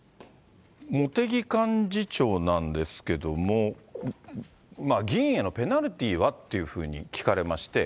茂木幹事長なんですけども、議員へのペナルティーはっていうふうに聞かれまして。